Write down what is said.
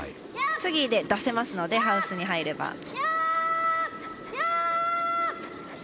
次で出せますのでハウスに入れば。